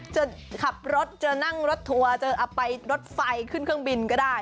จะขับรถจะนั่งรถทัวร์จะเอาไปรถไฟขึ้นเครื่องบินก็ได้